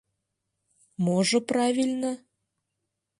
Можо правильно?